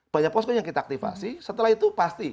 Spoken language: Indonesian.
banyak posko yang kita aktifasi setelah itu pasti